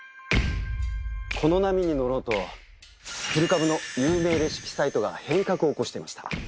この波に乗ろうと古株の有名レシピサイトが変革を起こしていました。